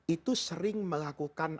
itu sering melakukan